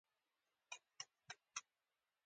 د کچالو او پیاز سړې خونې شته؟